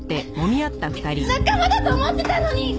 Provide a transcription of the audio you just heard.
仲間だと思ってたのに！